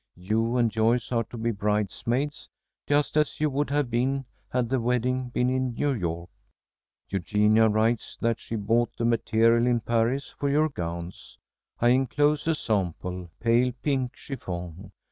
You and Joyce are to be bridesmaids, just as you would have been had the wedding been in New York. "Eugenia writes that she bought the material in Paris for your gowns. I enclose a sample, pale pink chiffon.